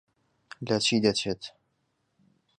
لە چی دەچێت؟